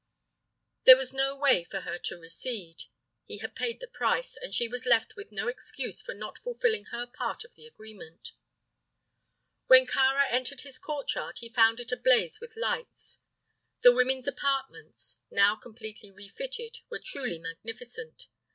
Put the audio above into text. There was no way for her to recede. He had paid the price, and she was left with no excuse for not fulfilling her part of the agreement. When Kāra entered his courtyard he found it ablaze with lights. The women's apartments, now completely refitted, were truly magnificent.